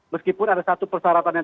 meskipun ada satu persyaratan yang